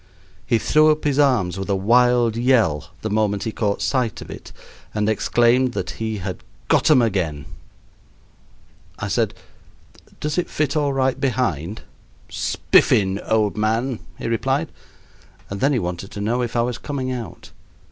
He threw up his arms with a wild yell the moment he caught sight of it, and exclaimed that he had "got 'em again!" I said: "Does it fit all right behind?" "Spiffin, old man," he replied. And then he wanted to know if I was coming out.